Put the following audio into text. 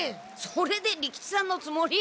それで利吉さんのつもり！？